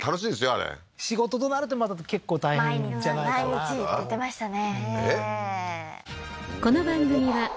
あれ仕事となるとまた結構大変じゃないかなと毎日って言ってましたね